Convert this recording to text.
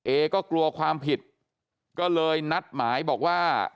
เอก็กลัวความผิดก็เลยนัดหมายบอกว่า